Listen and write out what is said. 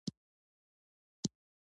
څوک چې ځان پیژني دنیا پرې نه خطا کېږي